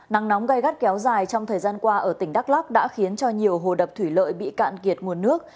nắng nóng gai gắt kéo dài trong thời gian qua ở tỉnh đắk lắk đã khiến cho nhiều hồ đập thủy lợi bị cạn kiệt nguồn nước